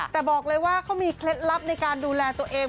แต่บอกเลยว่าเขามีเคล็ดลับในการดูแลตัวเอง